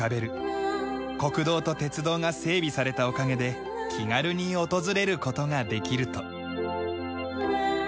国道と鉄道が整備されたおかげで気軽に訪れる事ができると。